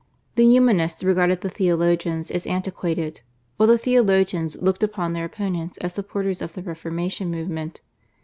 The Humanists regarded the Theologians as antiquated, while the Theologians looked upon their opponents as supporters of the Reformation movement.